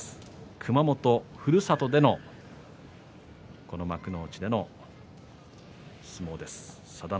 熊本ふるさとでのこの幕内での相撲です。